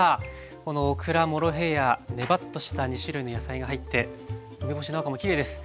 このオクラモロヘイヤネバッとした２種類の野菜が入って梅干しの赤もきれいです。